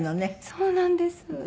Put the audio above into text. そうなんです。